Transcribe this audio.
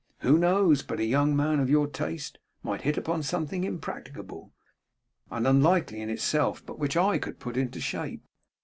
Who knows but a young man of your taste might hit upon something, impracticable and unlikely in itself, but which I could put into shape?